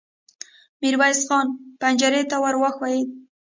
ميرويس خان پنجرې ته ور وښويېد.